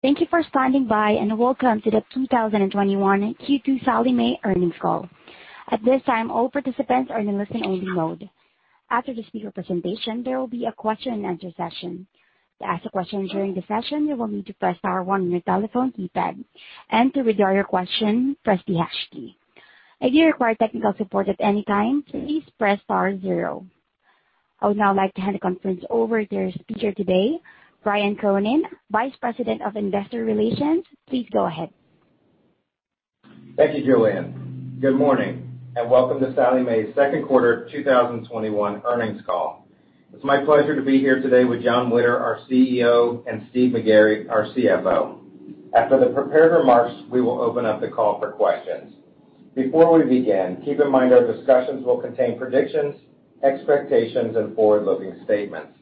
Thank you for standing by, and welcome to the 2021 Q2 Sallie Mae Earnings Call. I would now like to hand the conference over to our speaker today, Brian Cronin, Vice President of Investor Relations. Please go ahead. Thank you, Julianne. Good morning, and welcome to Sallie Mae's Q2 2021 Earnings Call. It's my pleasure to be here today with Jon Witter, our CEO, and Steve McGarry, our CFO. After the prepared remarks, we will open up the call for questions. Before we begin, keep in mind our discussions will contain predictions, expectations, and forward-looking statements.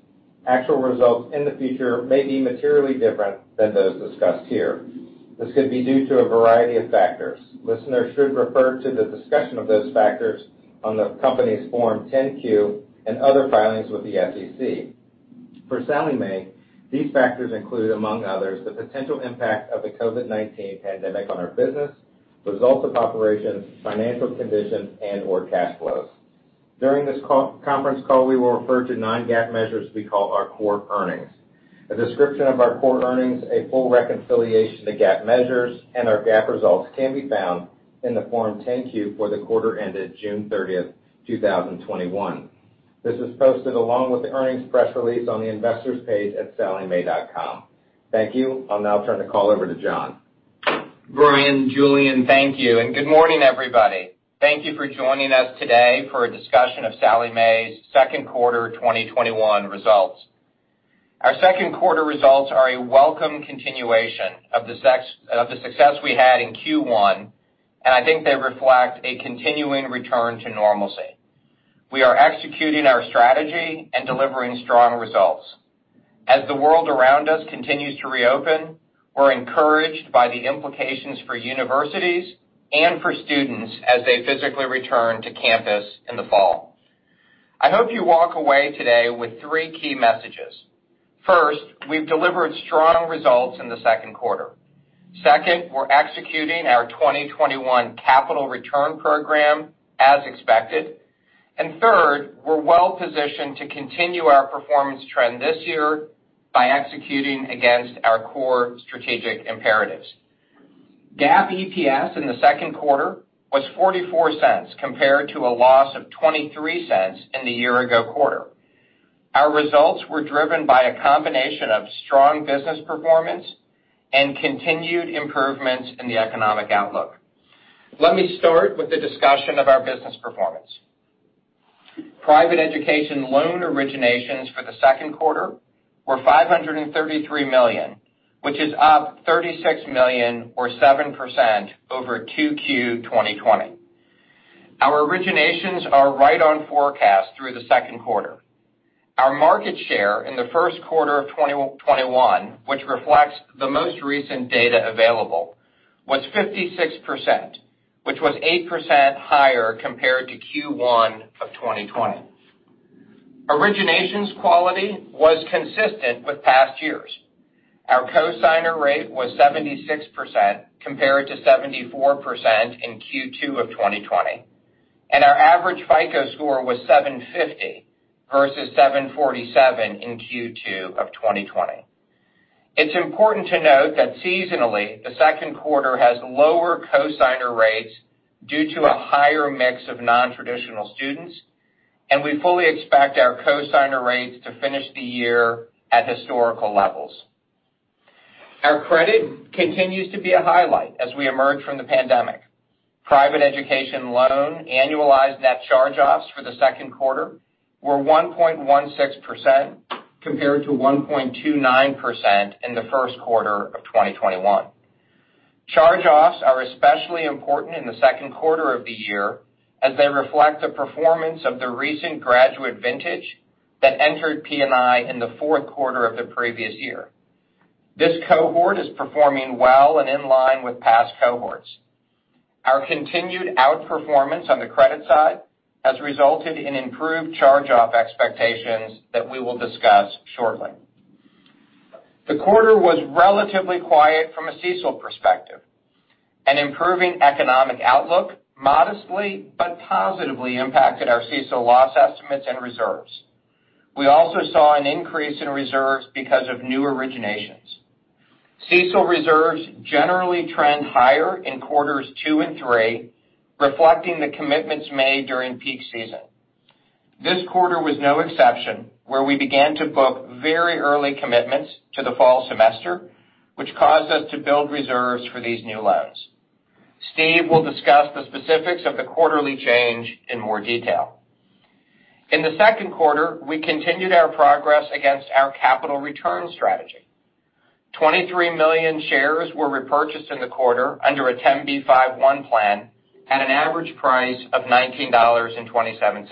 Actual results in the future may be materially different than those discussed here. This could be due to a variety of factors. Listeners should refer to the discussion of those factors on the company's Form 10-Q and other filings with the SEC. For Sallie Mae, these factors include, among others, the potential impact of the COVID-19 pandemic on our business, results of operations, financial conditions, and/or cash flows. During this conference call, we will refer to non-GAAP measures we call our core earnings. A description of our core earnings, a full reconciliation to GAAP measures, and our GAAP results can be found in the Form 10-Q for the quarter ended June 30th, 2021. This was posted along with the earnings press release on the Investors page at salliemae.com. Thank you. I'll now turn the call over to Jon. Brian, Julianne, thank you, and good morning, everybody. Thank you for joining us today for a discussion of Sallie Mae's Q2 2021 results. Our Q2 results are a welcome continuation of the success we had in Q1, and I think they reflect a continuing return to normalcy. We are executing our strategy and delivering strong results. As the world around us continues to reopen, we're encouraged by the implications for universities and for students as they physically return to campus in the fall. I hope you walk away today with three key messages. First, we've delivered strong results in the Q2. Second, we're executing our 2021 capital return program as expected. third, we're well-positioned to continue our performance trend this year by executing against our core strategic imperatives. GAAP EPS in the Q2 was $0.44 compared to a loss of $0.23 in the year-ago quarter. Our results were driven by a combination of strong business performance and continued improvements in the economic outlook. Let me start with the discussion of our business performance. Private education loan originations for the Q2 were $533 million, which is up $36 million or 7% over 2Q 2020. Our originations are right on forecast through the Q2. Our market share in the Q1 of 2021, which reflects the most recent data available, was 56%, which was 8% higher compared to Q1 of 2020. Originations quality was consistent with past years. Our cosigner rate was 76% compared to 74% in Q2 of 2020, and our average FICO score was 750 versus 747 in Q2 of 2020. It's important to note that seasonally, the Q2 has lower cosigner rates due to a higher mix of non-traditional students, and we fully expect our cosigner rates to finish the year at historical levels. Our credit continues to be a highlight as we emerge from the pandemic. Private education loan annualized net charge-offs for the Q2 were 1.16% compared to 1.29% in the Q1 of 2021. Charge-offs are especially important in the Q2 of the year as they reflect the performance of the recent graduate vintage that entered P&I in the Q4 of the previous year. This cohort is performing well and in line with past cohorts. Our continued outperformance on the credit side has resulted in improved charge-off expectations that we will discuss shortly. The quarter was relatively quiet from a CECL perspective. An improving economic outlook modestly but positively impacted our CECL loss estimates and reserves. We also saw an increase in reserves because of new originations. CECL reserves generally trend higher in Q2 and Q3, reflecting the commitments made during peak season. This quarter was no exception, where we began to book very early commitments to the fall semester, which caused us to build reserves for these new loans. Steve will discuss the specifics of the quarterly change in more detail. In the Q2, we continued our progress against our capital return strategy. 23 million shares were repurchased in the quarter under a 10b5-1 plan at an average price of $19.27.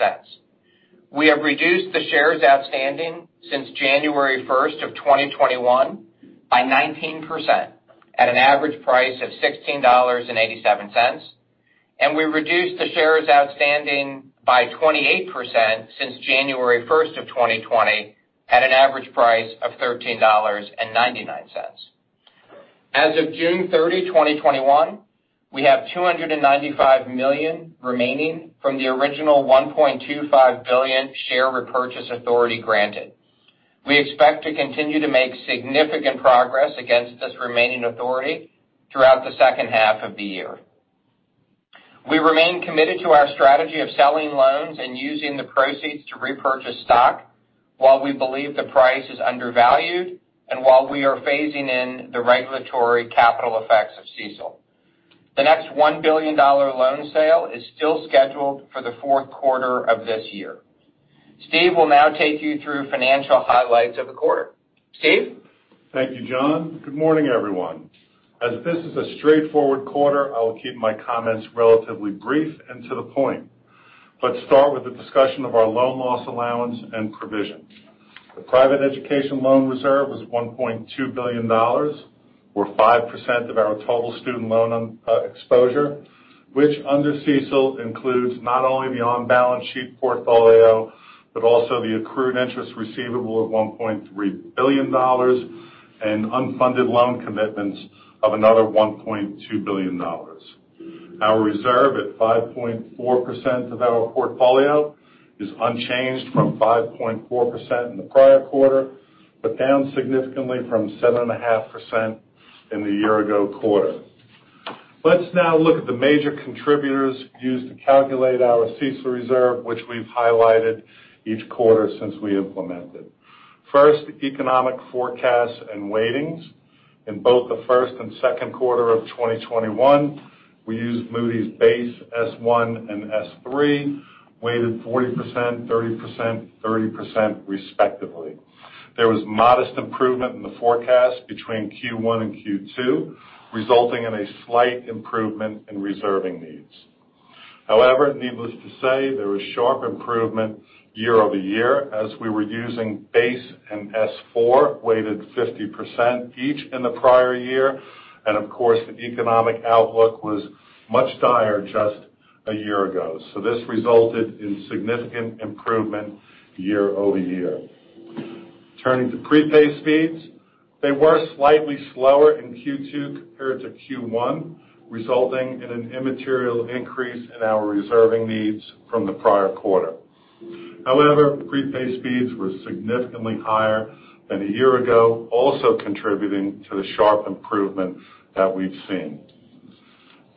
We have reduced the shares outstanding since January 1st of 2021 by 19% at an average price of $16.87. We reduced the shares outstanding by 28% since January 1st of 2020 at an average price of $13.99. As of June 30, 2021, we have $295 million remaining from the original $1.25 billion share repurchase authority granted. We expect to continue to make significant progress against this remaining authority throughout the second half of the year. We remain committed to our strategy of selling loans and using the proceeds to repurchase stock while we believe the price is undervalued and while we are phasing in the regulatory capital effects of CECL. The next $1 billion loan sale is still scheduled for the Q4 of this year. Steve will now take you through financial highlights of the quarter. Steve? Thank you, Jon. Good morning, everyone. This is a straightforward quarter, I will keep my comments relatively brief and to the point. Let's start with a discussion of our loan loss allowance and provision. The private education loan reserve was $1.2 billion or 5% of our total student loan exposure, which under CECL includes not only the on-balance sheet portfolio, but also the accrued interest receivable of $1.3 billion and unfunded loan commitments of another $1.2 billion. Our reserve at 5.4% of our portfolio is unchanged from 5.4% in the prior quarter, but down significantly from 7.5% in the year-ago quarter. Let's now look at the major contributors used to calculate our CECL reserve, which we've highlighted each quarter since we implemented. First, economic forecasts and weightings. In both the Q1 and Q2 of 2021, we used Moody's base S1 and S3, weighted 40%, 30%, 30% respectively. There was modest improvement in the forecast between Q1 and Q2, resulting in a slight improvement in reserving needs. There was sharp improvement year-over-year as we were using base and S4 weighted 50% each in the prior year, and of course, the economic outlook was much direr just a year ago. This resulted in significant improvement year-over-year. Turning to prepay speeds. They were slightly slower in Q2 compared to Q1, resulting in an immaterial increase in our reserving needs from the prior quarter. Prepay speeds were significantly higher than a year ago, also contributing to the sharp improvement that we've seen.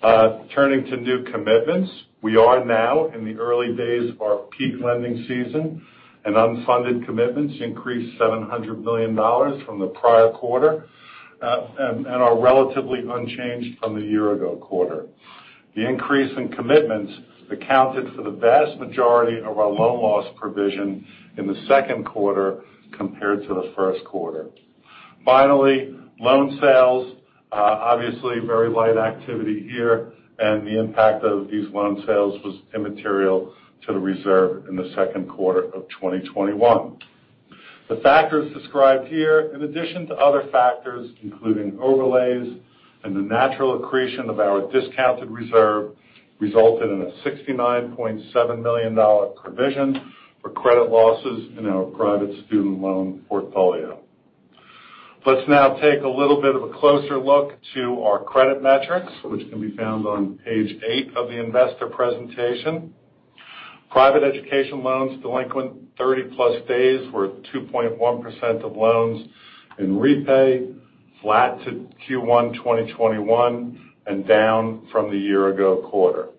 Turning to new commitments. We are now in the early days of our peak lending season, and unfunded commitments increased $700 million from the prior quarter and are relatively unchanged from the year-ago quarter. The increase in commitments accounted for the vast majority of our loan loss provision in the Q2 compared to the Q1. Finally, loan sales. Obviously, very light activity here, and the impact of these loan sales was immaterial to the reserve in the Q2 of 2021. The factors described here, in addition to other factors, including overlays and the natural accretion of our discounted reserve, resulted in a $69.7 million provision for credit losses in our private student loan portfolio. Let's now take a little bit of a closer look to our credit metrics, which can be found on page 8 of the investor presentation. Private education loans delinquent 30+ days were 2.1% of loans in repay, flat to Q1 2021, and down from the year-ago quarter.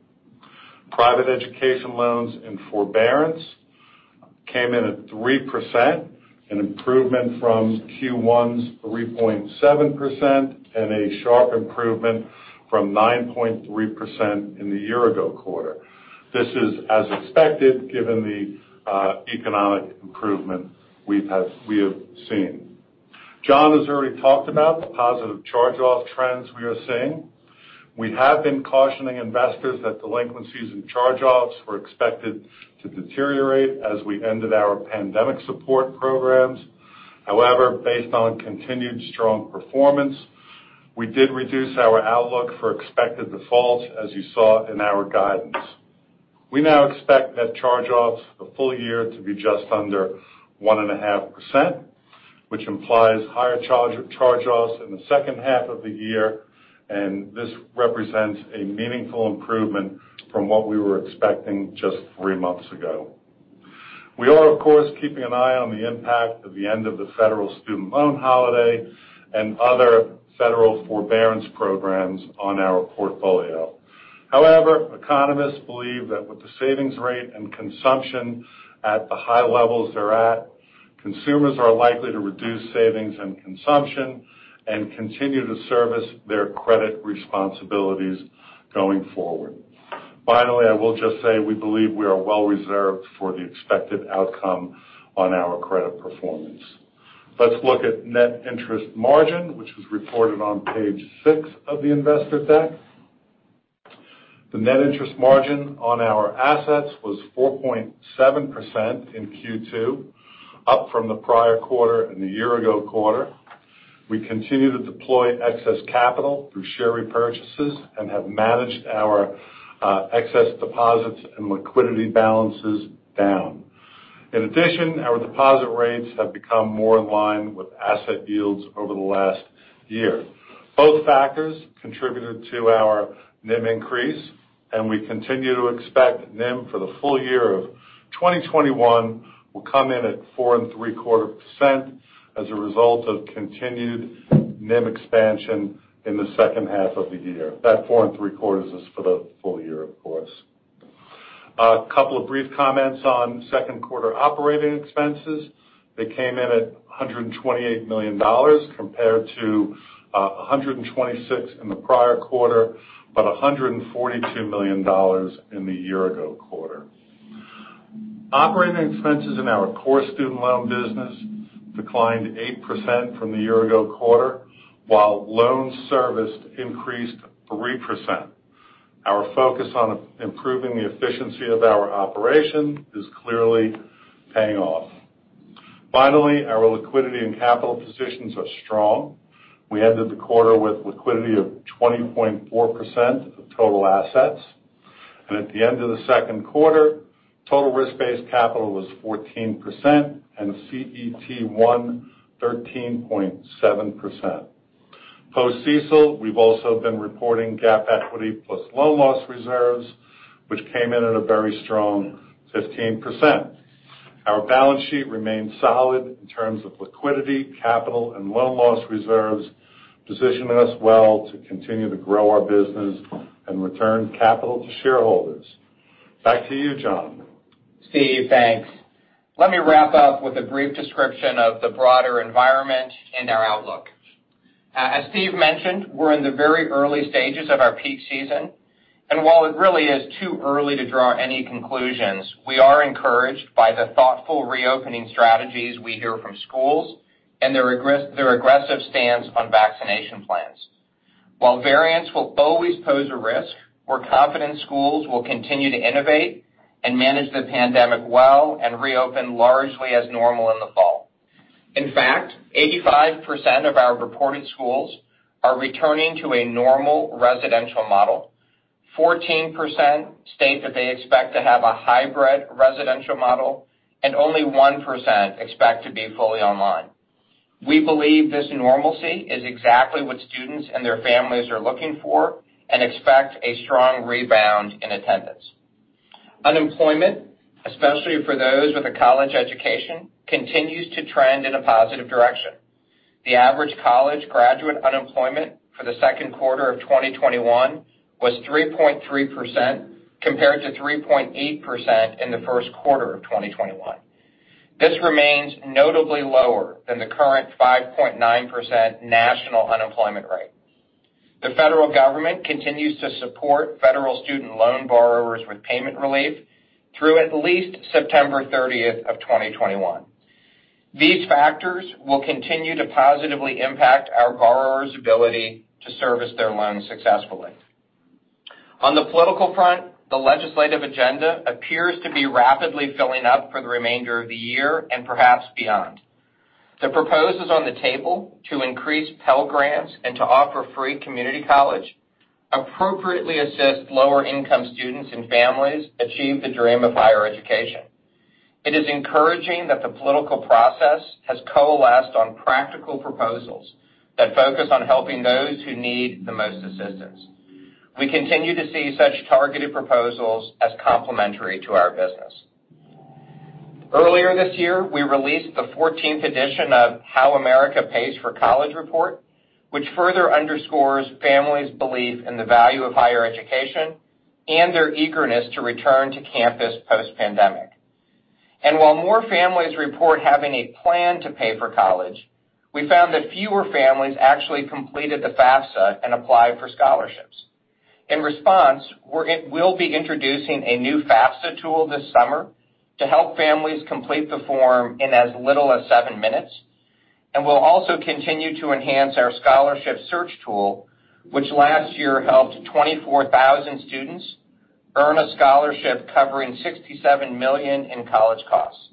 Private education loans in forbearance came in at 3%, an improvement from Q1's 3.7%, and a sharp improvement from 9.3% in the year-ago quarter. This is as expected given the economic improvement we have seen. Jon has already talked about the positive charge-off trends we are seeing. We have been cautioning investors that delinquencies and charge-offs were expected to deteriorate as we ended our pandemic support programs. Based on continued strong performance, we did reduce our outlook for expected defaults, as you saw in our guidance. We now expect net charge-offs the full year to be just under 1.5%, which implies higher charge-offs in the second half of the year, and this represents a meaningful improvement from what we were expecting just three months ago. We are, of course, keeping an eye on the impact of the end of the federal student loan holiday and other federal forbearance programs on our portfolio. Economists believe that with the savings rate and consumption at the high levels they're at, consumers are likely to reduce savings and consumption and continue to service their credit responsibilities going forward. I will just say we believe we are well reserved for the expected outcome on our credit performance. Let's look at net interest margin, which was reported on page 6 of the investor deck. The net interest margin on our assets was 4.7% in Q2, up from the prior quarter and the year-ago quarter. We continue to deploy excess capital through share repurchases and have managed our excess deposits and liquidity balances down. Our deposit rates have become more in line with asset yields over the last year. Both factors contributed to our NIM increase, and we continue to expect NIM for the full year of 2021 will come in at 4.75% as a result of continued NIM expansion in the second half of the year. That 4.75% is for the full year, of course. A couple of brief comments on Q2 operating expenses. They came in at $128 million compared to $126 million in the prior quarter, but $142 million in the year-ago quarter. Operating expenses in our core student loan business declined 8% from the year-ago quarter, while loans serviced increased 3%. Our focus on improving the efficiency of our operation is clearly paying off. Finally, our liquidity and capital positions are strong. We ended the quarter with liquidity of 20.4% of total assets. At the end of the Q2, total risk-based capital was 14%, and CET1, 13.7%. Post CECL, we've also been reporting GAAP equity plus loan loss reserves, which came in at a very strong 15%. Our balance sheet remains solid in terms of liquidity, capital, and loan loss reserves, positioning us well to continue to grow our business and return capital to shareholders. Back to you, Jon. Steve, thanks. Let me wrap up with a brief description of the broader environment and our outlook. As Steve mentioned, we're in the very early stages of our peak season, and while it really is too early to draw any conclusions, we are encouraged by the thoughtful reopening strategies we hear from schools and their aggressive stance on vaccination plans. While variants will always pose a risk, we're confident schools will continue to innovate and manage the pandemic well and reopen largely as normal in the fall. In fact, 85% of our reported schools are returning to a normal residential model. 14% state that they expect to have a hybrid residential model, and only 1% expect to be fully online. We believe this normalcy is exactly what students and their families are looking for and expect a strong rebound in attendance. Unemployment, especially for those with a college education, continues to trend in a positive direction. The average college graduate unemployment for the Q2 of 2021 was 3.3%, compared to 3.8% in the Q1 of 2021. This remains notably lower than the current 5.9% national unemployment rate. The federal government continues to support federal student loan borrowers with payment relief through at least September 30th of 2021. These factors will continue to positively impact our borrowers' ability to service their loans successfully. On the political front, the legislative agenda appears to be rapidly filling up for the remainder of the year and perhaps beyond. The proposals on the table to increase Pell Grants and to offer free community college appropriately assist lower-income students and families achieve the dream of higher education. It is encouraging that the political process has coalesced on practical proposals that focus on helping those who need the most assistance. We continue to see such targeted proposals as complementary to our business. Earlier this year, we released the 14th edition of How America Pays for College report, which further underscores families' belief in the value of higher education and their eagerness to return to campus post-pandemic. While more families report having a plan to pay for college, we found that fewer families actually completed the FAFSA and applied for scholarships. In response, we'll be introducing a new FAFSA tool this summer to help families complete the form in as little as seven minutes. We'll also continue to enhance our scholarship search tool, which last year helped 24,000 students earn a scholarship covering $67 million in college costs.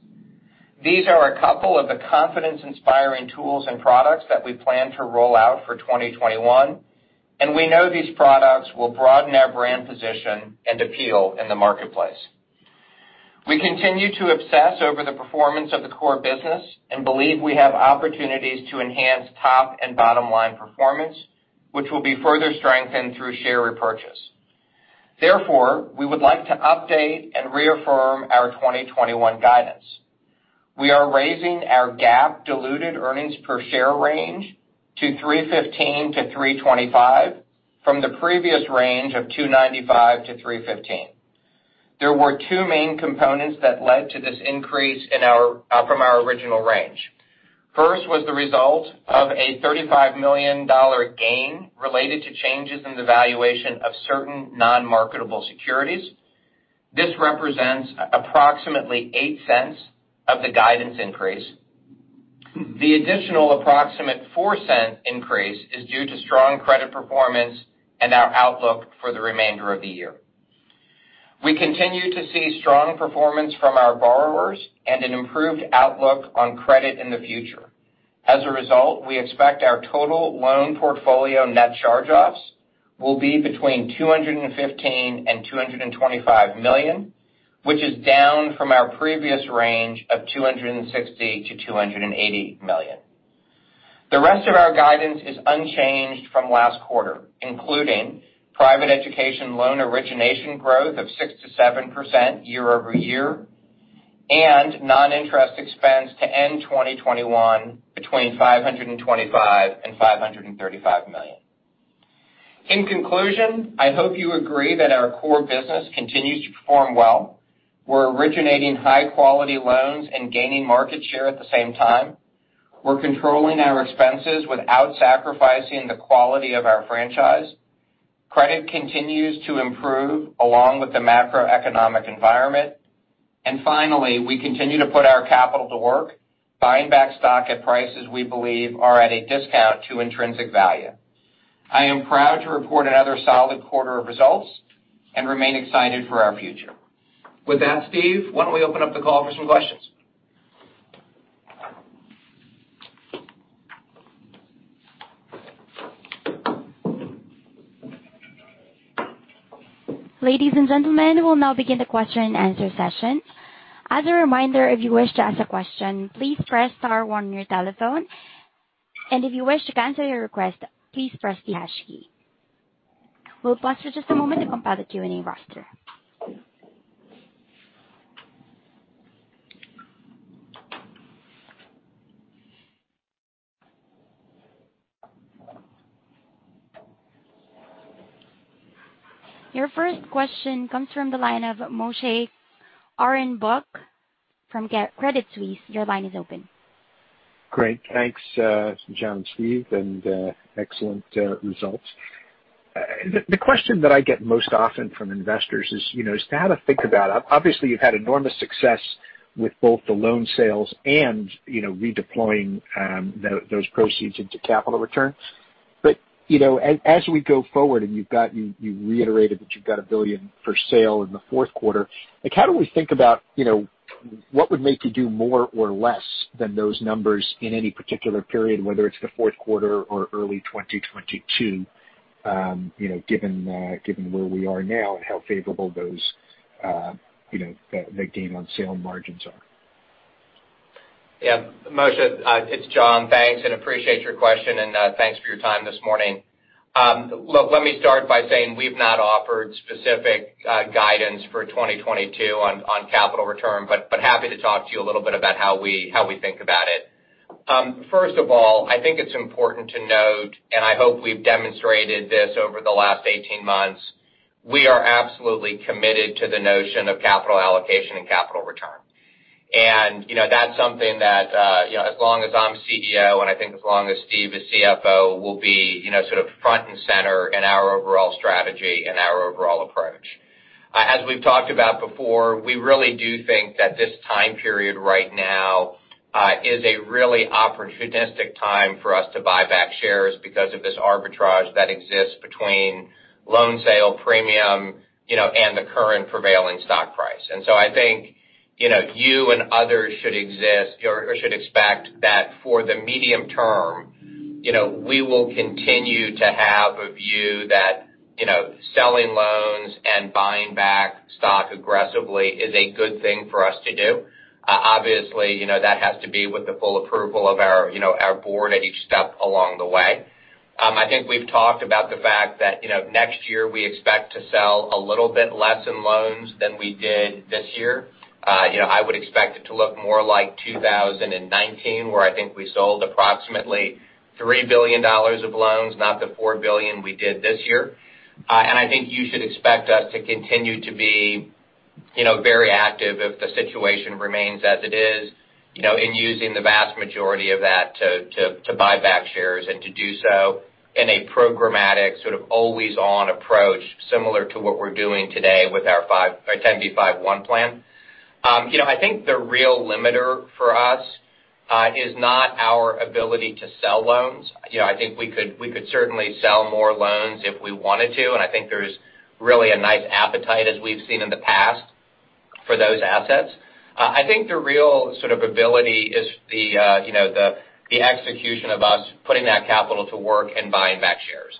These are a couple of the confidence-inspiring tools and products that we plan to roll out for 2021, and we know these products will broaden our brand position and appeal in the marketplace. We continue to obsess over the performance of the core business and believe we have opportunities to enhance top and bottom-line performance, which will be further strengthened through share repurchase. Therefore, we would like to update and reaffirm our 2021 guidance. We are raising our GAAP diluted earnings per share range to $3.15-$3.25 from the previous range of $2.95-$3.15. There were two main components that led to this increase from our original range. First was the result of a $35 million gain related to changes in the valuation of certain non-marketable securities. This represents approximately $0.08 of the guidance increase. The additional approximate $0.04 increase is due to strong credit performance and our outlook for the remainder of the year. We continue to see strong performance from our borrowers and an improved outlook on credit in the future. As a result, we expect our total loan portfolio net charge-offs will be between $215 million and $225 million, which is down from our previous range of $260 million to $280 million. The rest of our guidance is unchanged from last quarter, including private education loan origination growth of 6% to 7% year-over-year, and non-interest expense to end 2021 between $525 million and $535 million. In conclusion, I hope you agree that our core business continues to perform well. We're originating high-quality loans and gaining market share at the same time. We're controlling our expenses without sacrificing the quality of our franchise. Credit continues to improve along with the macroeconomic environment. Finally, we continue to put our capital to work, buying back stock at prices we believe are at a discount to intrinsic value. I am proud to report another solid quarter of results and remain excited for our future. With that, Steve, why don't we open up the call for some questions? Ladies and gentlemen, we'll now begin the question and answer session. As a reminder, if you wish to ask a question, please press star one on your telephone. If you wish to cancel your request, please press the hash key. We'll pause for just a moment to compile the Q&A roster. Your first question comes from the line of Moshe Orenbuch from Credit Suisse. Your line is open. Great. Thanks, Jon and Steve, excellent results. The question that I get most often from investors is how to think about, obviously, you've had enormous success with both the loan sales and redeploying those proceeds into capital returns. As we go forward, you reiterated that you've got $1 billion for sale in the Q4. How do we think about what would make you do more or less than those numbers in any particular period, whether it's the Q4 or early 2022, given where we are now and how favorable those gain on sale margins are? Yeah. Moshe, it's Jon. Thanks, and appreciate your question, and thanks for your time this morning. Look, let me start by saying we've not offered specific guidance for 2022 on capital return, but happy to talk to you a little bit about how we think about it. First of all, I think it's important to note, and I hope we've demonstrated this over the last 18 months, we are absolutely committed to the notion of capital allocation and capital return. That's something that, as long as I'm CEO, and I think as long as Steve is CFO, will be sort of front and center in our overall strategy and our overall approach. As we've talked about before, we really do think that this time period right now is a really opportunistic time for us to buy back shares because of this arbitrage that exists between loan sale premium and the current prevailing stock price. I think you and others should expect that for the medium term, we will continue to have a view that selling loans and buying back stock aggressively is a good thing for us to do. Obviously, that has to be with the full approval of our board at each step along the way. I think we've talked about the fact that next year we expect to sell a little bit less in loans than we did this year. I would expect it to look more like 2019, where I think we sold approximately $3 billion of loans, not the $4 billion we did this year. I think you should expect us to continue to be very active if the situation remains as it is, in using the vast majority of that to buy back shares and to do so in a programmatic sort of always-on approach, similar to what we're doing today with our 10b5-1 plan. I think the real limiter for us is not our ability to sell loans. I think we could certainly sell more loans if we wanted to, and I think there's really a nice appetite, as we've seen in the past, for those assets. I think the real sort of ability is the execution of us putting that capital to work and buying back shares.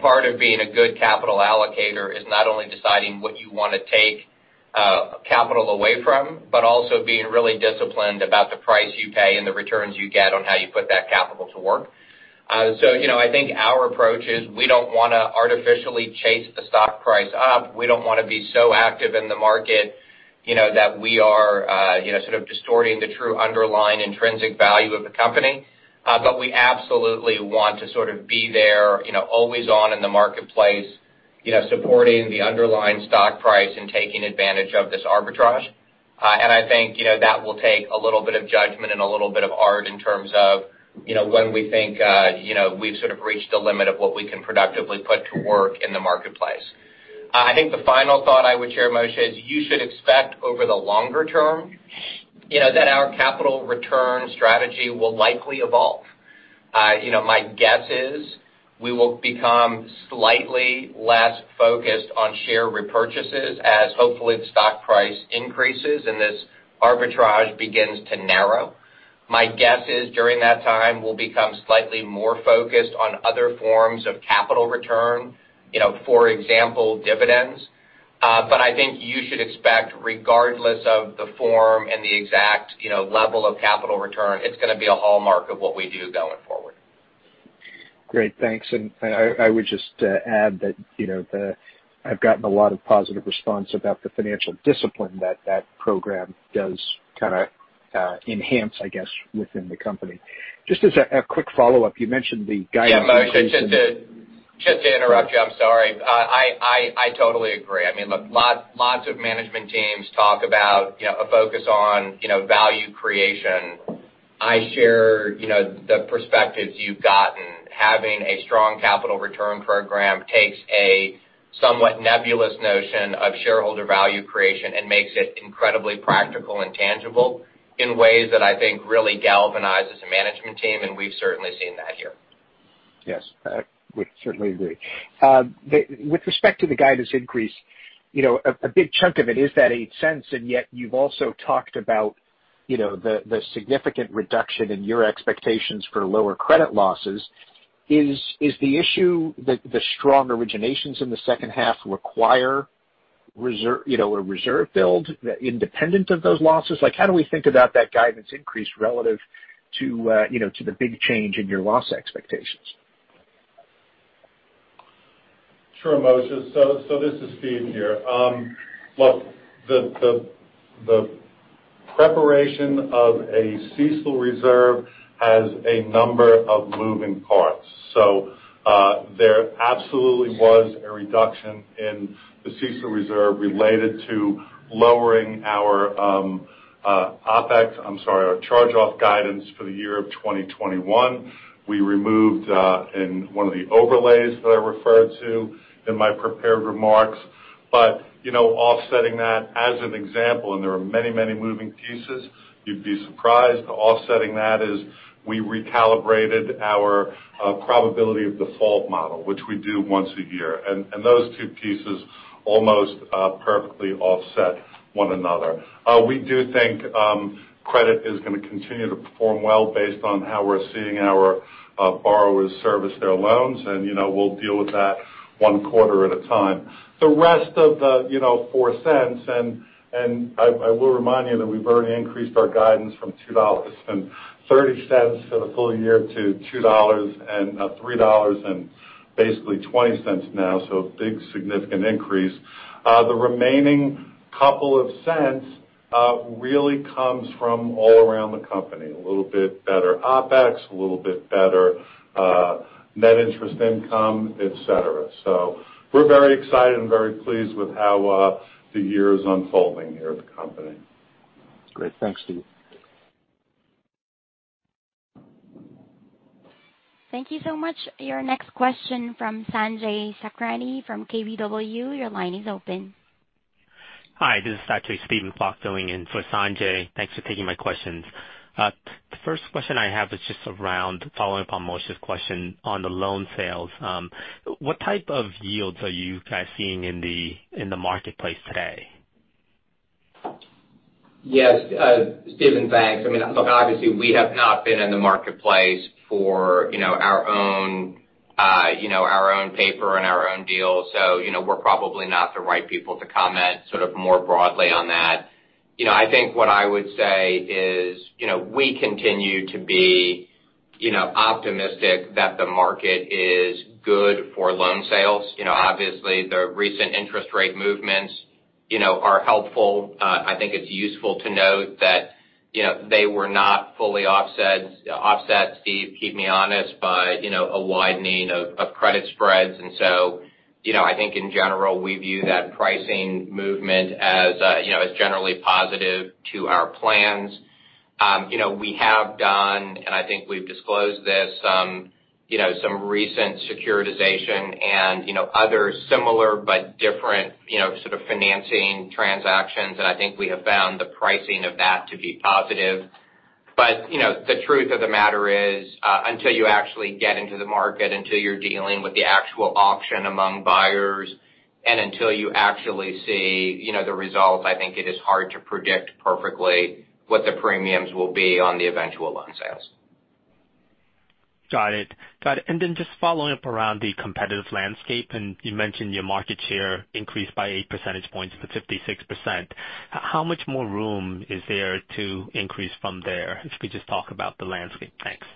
Part of being a good capital allocator is not only deciding what you want to take capital away from but also being really disciplined about the price you pay and the returns you get on how you put that capital to work. I think our approach is we don't want to artificially chase the stock price up. We don't want to be so active in the market that we are sort of distorting the true underlying intrinsic value of the company. We absolutely want to sort of be there always on in the marketplace supporting the underlying stock price and taking advantage of this arbitrage. I think that will take a little bit of judgment and a little bit of art in terms of when we think we've sort of reached the limit of what we can productively put to work in the marketplace. I think the final thought I would share, Moshe, is you should expect over the longer term. You know, that our capital return strategy will likely evolve. My guess is we will become slightly less focused on share repurchases as hopefully the stock price increases and this arbitrage begins to narrow. My guess is, during that time, we'll become slightly more focused on other forms of capital return, for example, dividends. I think you should expect, regardless of the form and the exact level of capital return, it's going to be a hallmark of what we do going forward. Great. Thanks. I would just add that I've gotten a lot of positive response about the financial discipline that program does kind of enhance, I guess, within the company. Just as a quick follow-up, you mentioned the guidance increase. Yeah, Moshe, just to interrupt you. I'm sorry. I totally agree. I mean, look, lots of management teams talk about a focus on value creation. I share the perspectives you've gotten. Having a strong capital return program takes a somewhat nebulous notion of shareholder value creation and makes it incredibly practical and tangible in ways that I think really galvanizes a management team, and we've certainly seen that here. Yes. I would certainly agree. With respect to the guidance increase, a big chunk of it is that $0.08, yet you've also talked about the significant reduction in your expectations for lower credit losses. Is the issue that the strong originations in the second half require a reserve build independent of those losses? How do we think about that guidance increase relative to the big change in your loss expectations? Sure, Moshe. This is Steve here. Look, the preparation of a CECL reserve has a number of moving parts. There absolutely was a reduction in the CECL reserve related to lowering our charge-off guidance for the year of 2021. We removed in one of the overlays that I referred to in my prepared remarks. Offsetting that as an example, and there are many moving pieces, you'd be surprised, offsetting that is we recalibrated our probability of default model, which we do once a year. Those two pieces almost perfectly offset one another. We do think credit is going to continue to perform well based on how we're seeing our borrowers service their loans, and we'll deal with that one quarter at a time. The rest of the $0.04, and I will remind you that we've already increased our guidance from $2.30 for the full year to $3.20 now, a big significant increase. The remaining couple of cents really comes from all around the company. A little bit better OPEX, a little bit better net interest income, et cetera. We're very excited and very pleased with how the year is unfolding here at the company. Great. Thanks, Steve. Thank you so much. Your next question from Sanjay Sakhrani from KBW. Your line is open. Hi, this is actually Steven Kwok filling in for Sanjay. Thanks for taking my questions. The first question I have is just around following up on Moshe's question on the loan sales. What type of yields are you guys seeing in the marketplace today? Yes. Steven, thanks. I mean, look, obviously, we have not been in the marketplace for our own paper and our own deals, so we're probably not the right people to comment sort of more broadly on that. I think what I would say is we continue to be optimistic that the market is good for loan sales. Obviously, the recent interest rate movements are helpful. I think it's useful to note that they were not fully offset, Steve, keep me honest, by a widening of credit spreads. I think in general, we view that pricing movement as generally positive to our plans. We have done, and I think we've disclosed this, some recent securitization and other similar but different sort of financing transactions, and I think we have found the pricing of that to be positive. The truth of the matter is, until you actually get into the market, until you're dealing with the actual auction among buyers, and until you actually see the results, I think it is hard to predict perfectly what the premiums will be on the eventual loan sales. Got it. Just following up around the competitive landscape, and you mentioned your market share increased by 8 percentage points to 56%. How much more room is there to increase from there? If you could just talk about the landscape. Thanks.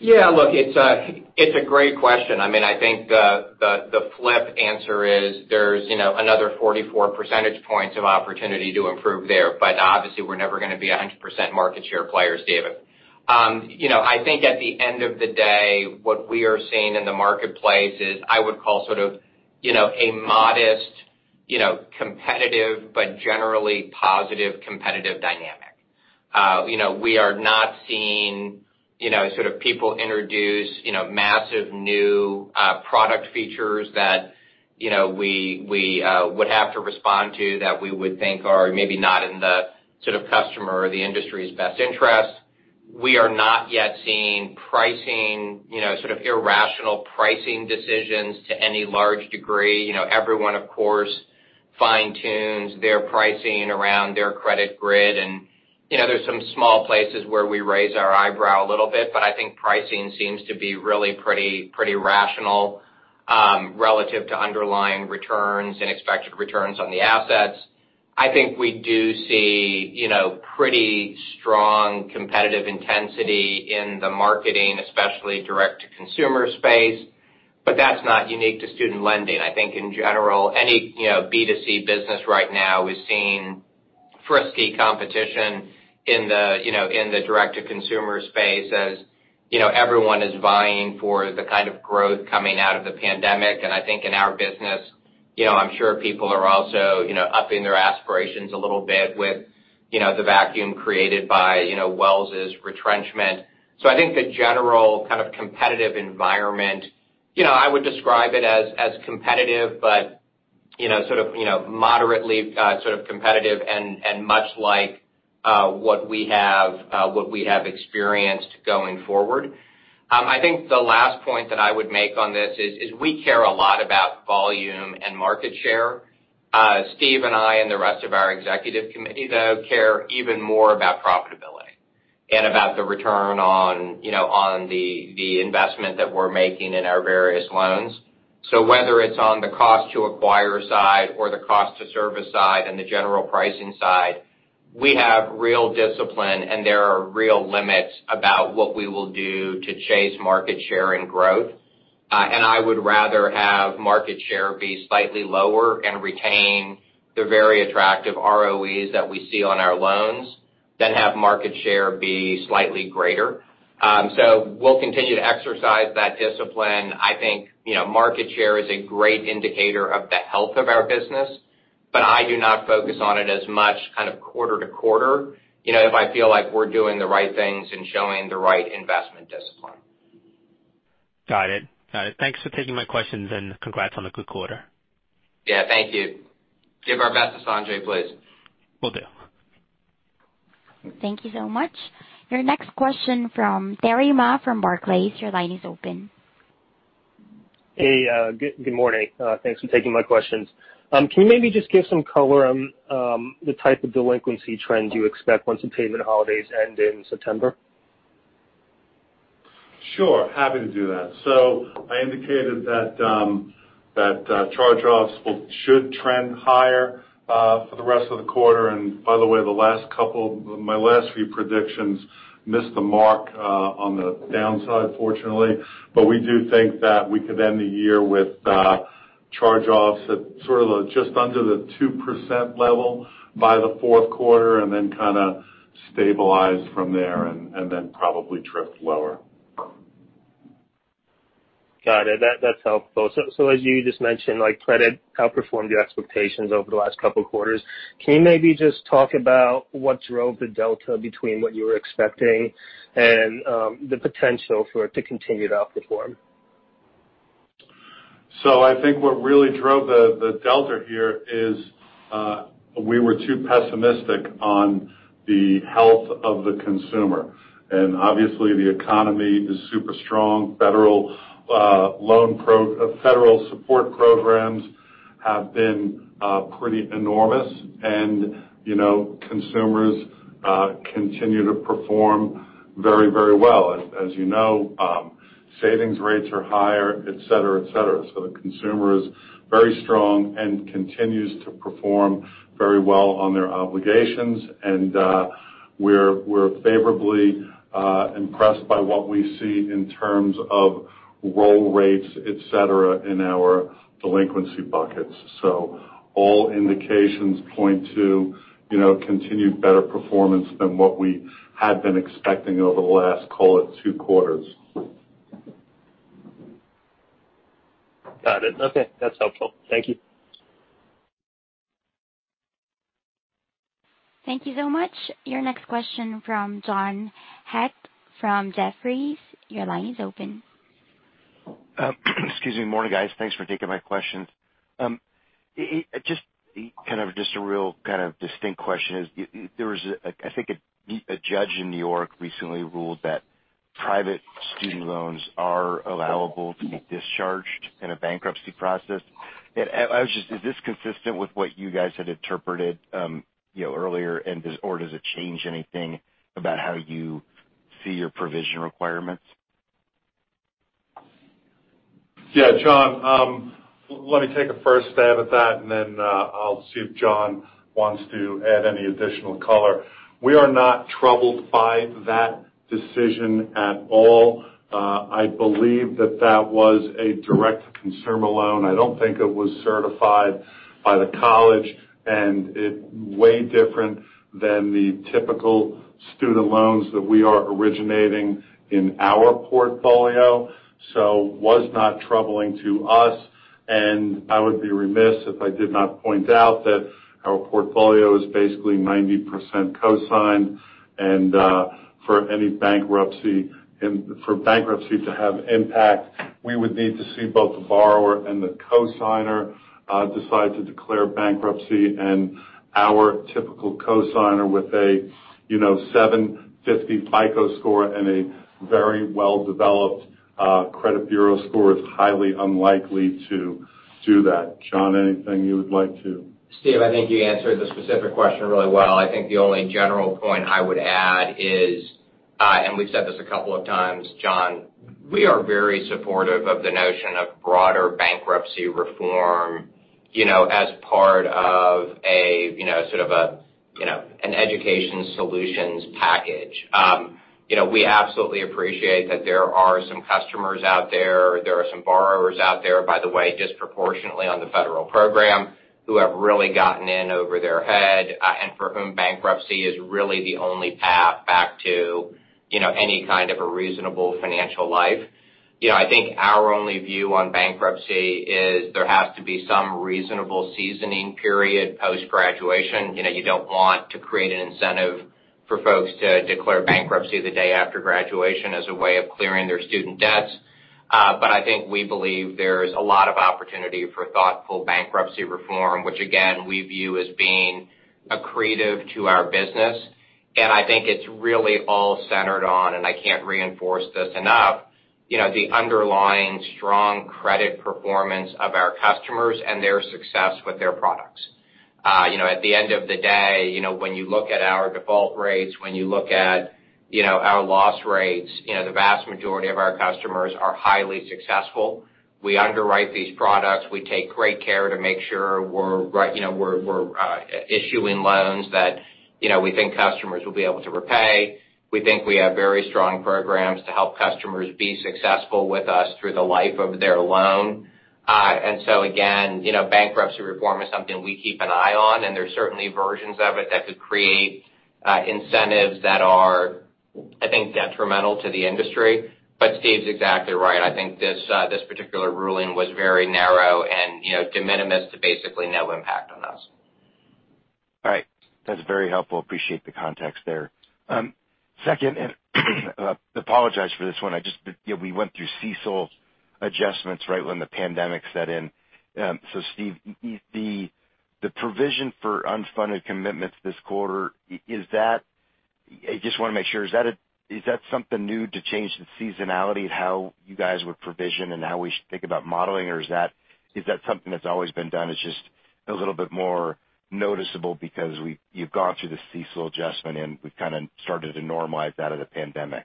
Yeah, look, it's a great question. I think the flip answer is there's another 44 percentage points of opportunity to improve there. Obviously, we're never going to be 100% market share players, David. I think at the end of the day, what we are seeing in the marketplace is I would call sort of a modest competitive but generally positive competitive dynamic. We are not seeing people introduce massive new product features that we would have to respond to that we would think are maybe not in the customer or the industry's best interest. We are not yet seeing irrational pricing decisions to any large degree. Everyone, of course, fine-tunes their pricing around their credit grid. There's some small places where we raise our eyebrow a little bit, but I think pricing seems to be really pretty rational relative to underlying returns and expected returns on the assets. I think we do see pretty strong competitive intensity in the marketing, especially direct-to-consumer space, but that's not unique to student lending. I think in general, any B2C business right now is seeing frisky competition in the direct-to-consumer space as everyone is vying for the kind of growth coming out of the pandemic. I think in our business, I am sure people are also upping their aspirations a little bit with the vacuum created by Wells Fargo's retrenchment. I think the general kind of competitive environment, I would describe it as competitive, but moderately competitive and much like what we have experienced going forward. I think the last point that I would make on this is we care a lot about volume and market share. Steve and I and the rest of our executive committee, though, care even more about profitability and about the return on the investment that we're making in our various loans. Whether it's on the cost to acquire side or the cost to service side and the general pricing side, we have real discipline, and there are real limits about what we will do to chase market share and growth. I would rather have market share be slightly lower and retain the very attractive ROEs that we see on our loans than have market share be slightly greater. We'll continue to exercise that discipline. I think market share is a great indicator of the health of our business, but I do not focus on it as much kind of quarter to quarter if I feel like we're doing the right things and showing the right investment discipline. Got it. Thanks for taking my questions, and congrats on the good quarter. Yeah, thank you. Give our best to Sanjay, please. Will do. Thank you so much. Your next question from Terry Ma from Barclays. Your line is open. Hey, good morning. Thanks for taking my questions. Can you maybe just give some color on the type of delinquency trends you expect once the payment holidays end in September? Sure. Happy to do that. I indicated that charge-offs should trend higher for the rest of the quarter. By the way, my last few predictions missed the mark on the downside, fortunately. We do think that we could end the year with charge-offs at sort of just under the 2% level by the Q4 and then kind of stabilize from there and then probably drift lower. Got it. That's helpful. As you just mentioned, credit outperformed your expectations over the last couple of quarters. Can you maybe just talk about what drove the delta between what you were expecting and the potential for it to continue to outperform? I think what really drove the delta here is we were too pessimistic on the health of the consumer. Obviously, the economy is super strong. Federal support programs have been pretty enormous. Consumers continue to perform very well. As you know, savings rates are higher, et cetera. The consumer is very strong and continues to perform very well on their obligations. We're favorably impressed by what we see in terms of roll rates, et cetera, in our delinquency buckets. All indications point to continued better performance than what we had been expecting over the last, call it, two quarters. Got it. Okay. That's helpful. Thank you. Thank you so much. Your next question from John Hecht from Jefferies. Your line is open. Excuse me. Morning, guys. Thanks for taking my questions. Just a real kind of distinct question is, there was, I think, a judge in New York recently ruled that private student loans are allowable to be discharged in a bankruptcy process. Is this consistent with what you guys had interpreted earlier, or does it change anything about how you see your provision requirements? Yeah, John, let me take a first stab at that, and then I'll see if Jon wants to add any additional color. We are not troubled by that decision at all. I believe that that was a direct consumer loan. I don't think it was certified by the college, and it way different than the typical student loans that we are originating in our portfolio, so was not troubling to us. I would be remiss if I did not point out that our portfolio is basically 90% cosigned. For bankruptcy to have impact, we would need to see both the borrower and the cosigner, decide to declare bankruptcy. Our typical cosigner with a 750 FICO score and a very well-developed credit bureau score is highly unlikely to do that. Jon, anything you would like to? Steve, I think you answered the specific question really well. I think the only general point I would add is, we've said this a couple of times, John, we are very supportive of the notion of broader bankruptcy reform as part of a sort of an education solutions package. We absolutely appreciate that there are some customers out there are some borrowers out there, by the way, disproportionately on the federal program, who have really gotten in over their head, and for whom bankruptcy is really the only path back to any kind of a reasonable financial life. I think our only view on bankruptcy is there has to be some reasonable seasoning period post-graduation. You don't want to create an incentive for folks to declare bankruptcy the day after graduation as a way of clearing their student debts. I think we believe there's a lot of opportunity for thoughtful bankruptcy reform, which again, we view as being accretive to our business. I think it's really all centered on, and I can't reinforce this enough, the underlying strong credit performance of our customers and their success with their products. At the end of the day, when you look at our default rates, when you look at our loss rates, the vast majority of our customers are highly successful. We underwrite these products. We take great care to make sure we're issuing loans that we think customers will be able to repay. We think we have very strong programs to help customers be successful with us through the life of their loan. Again, bankruptcy reform is something we keep an eye on, and there's certainly versions of it that could create incentives that are, I think, detrimental to the industry. Steve's exactly right. I think this particular ruling was very narrow and de minimis to basically no impact on us. All right. That's very helpful. Appreciate the context there. Second, apologize for this one. We went through CECL adjustments, right when the pandemic set in. Steve, the provision for unfunded commitments this quarter, I just want to make sure. Is that something new to change the seasonality of how you guys would provision and how we should think about modeling, or is that something that's always been done it's just a little bit more noticeable because you've gone through the CECL adjustment, and we've kind of started to normalize out of the pandemic?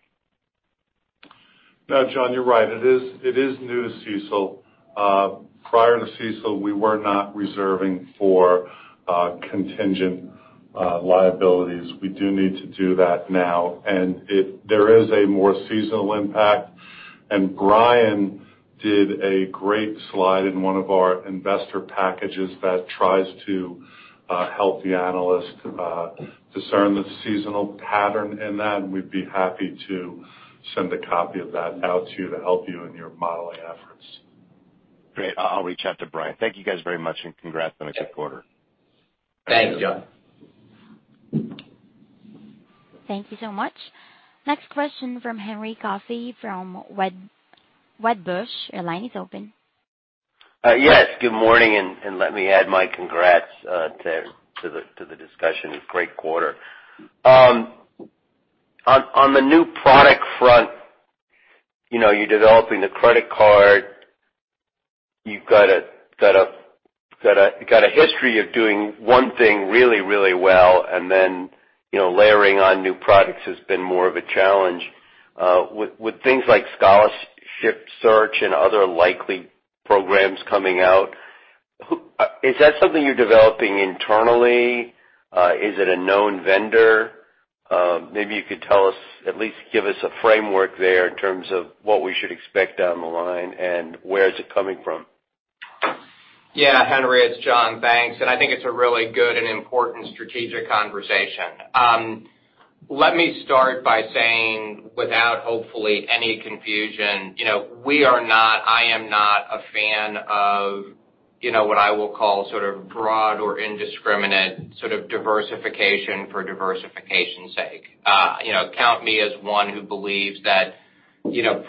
No, John, you're right. It is new to CECL. Prior to CECL, we were not reserving for contingent liabilities. We do need to do that now. There is a more seasonal impact. Brian did a great slide in one of our investor packages that tries to help the analyst discern the seasonal pattern in that, and we'd be happy to send a copy of that out to you to help you in your modeling efforts. Great. I'll reach out to Brian. Thank you guys very much, and congrats on a good quarter. Thanks, Jon. Thank you so much. Next question from Henry Coffey from Wedbush. Your line is open. Yes, good morning, and let me add my congrats to the discussion. Great quarter. On the new product front, you're developing the credit card. You've got a history of doing one thing really well and then layering on new products has been more of a challenge. With things like scholarship search and other likely programs coming out, is that something you're developing internally? Is it a known vendor? Maybe you could tell us, at least give us a framework there in terms of what we should expect down the line, and where is it coming from? Yeah, Henry, it's Jon. Thanks. I think it's a really good and important strategic conversation. Let me start by saying, without hopefully any confusion, I am not a fan of what I will call sort of broad or indiscriminate sort of diversification for diversification's sake. Count me as one who believes that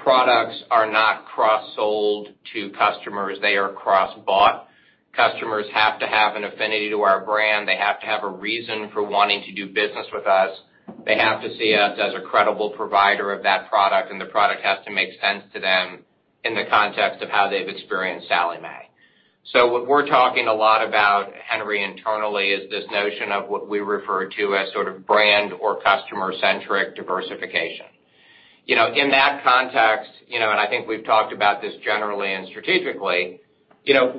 products are not cross-sold to customers. They are cross-bought. Customers have to have an affinity to our brand. They have to have a reason for wanting to do business with us. They have to see us as a credible provider of that product, and the product has to make sense to them in the context of how they've experienced Sallie Mae. What we're talking a lot about, Henry, internally is this notion of what we refer to as sort of brand or customer-centric diversification. In that context, I think we've talked about this generally and strategically,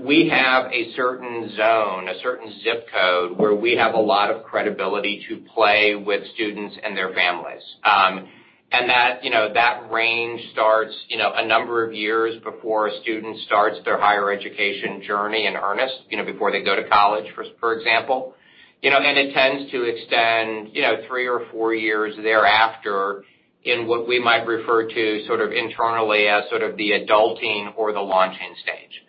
we have a certain zone, a certain zip code, where we have a lot of credibility to play with students and their families. That range starts a number of years before a student starts their higher education journey in earnest, before they go to college, for example. It tends to extend three or four years thereafter in what we might refer to sort of internally as sort of the adulting or the launching stage.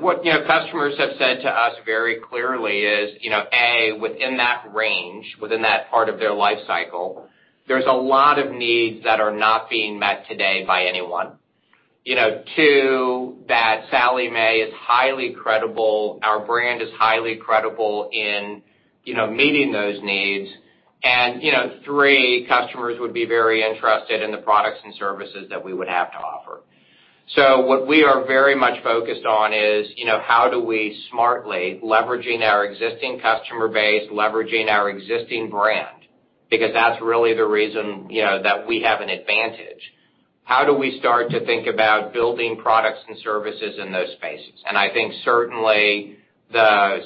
What customers have said to us very clearly is, A, within that range, within that part of their life cycle, there's a lot of needs that are not being met today by anyone. Two, that Sallie Mae is highly credible, our brand is highly credible in meeting those needs. Three, customers would be very interested in the products and services that we would have to offer. What we are very much focused on is how do we smartly, leveraging our existing customer base, leveraging our existing brand, because that's really the reason that we have an advantage. How do we start to think about building products and services in those spaces? I think certainly the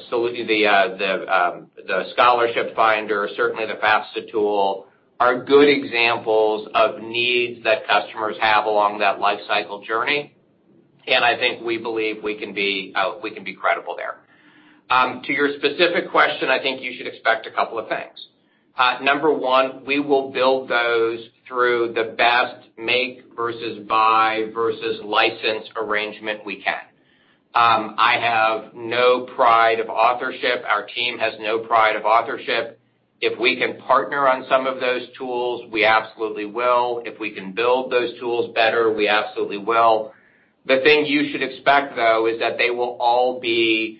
scholarship finder, certainly the FAFSA tool, are good examples of needs that customers have along that life cycle journey. I think we believe we can be credible there. To your specific question, I think you should expect a couple of things. Number 1, we will build those through the best make versus buy versus license arrangement we can. I have no pride of authorship. Our team has no pride of authorship. If we can partner on some of those tools, we absolutely will. If we can build those tools better, we absolutely will. The thing you should expect, though, is that they will all be